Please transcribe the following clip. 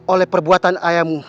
oleh perbuatan ayahmu